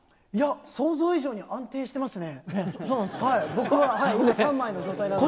想像以上に安定してますね。